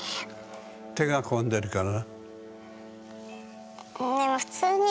手が込んでるから？